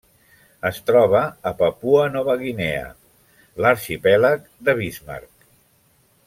Es troba a Papua Nova Guinea: l'arxipèlag de Bismarck.